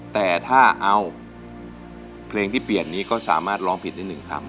แต่ถ้าเอาเพลงที่เปลี่ยนนี้ก็สามารถร้องผิดได้๑คำ